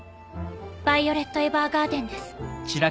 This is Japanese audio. ヴァイオレット・エヴァーガーデンです。